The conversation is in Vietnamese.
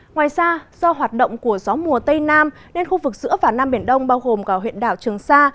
ngoài ra do hoạt động của gió mùa tây nam nên khu vực giữa và nam biển đông bao gồm cả huyện đảo trường sa